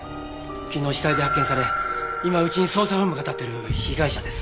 昨日死体で発見され今うちに捜査本部が立ってる被害者です。